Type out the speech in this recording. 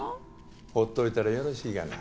ほっといたらよろしいがな。